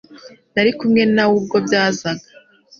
Nari kumwe nawe ubwo byazaga